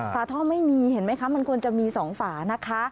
ฝาท่อไม่มีเห็นไหมคะมันควรจะมี๒ฝานะคะ